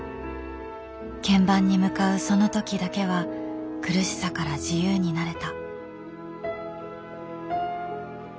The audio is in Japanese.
鍵盤に向かうそのときだけは苦しさから自由になれた。